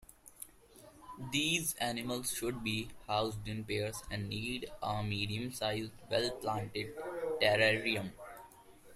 These animals should be housed in pairs and need a medium-sized, well planted terrarium.